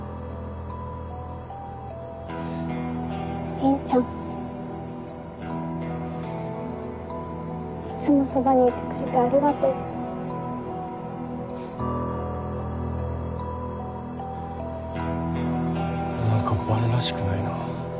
凛ちゃんいつもそばにいてくれてありがとう何か伴らしくないなぁ。